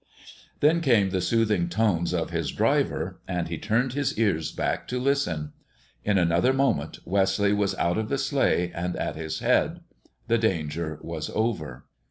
Then came the soothing tones of his driver, and he turned his ears back to listen. In another moment Wesley was out of the sleigh and at his head. The danger was over.